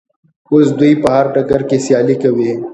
اوس دوی په هر ډګر کې سیالي کوي.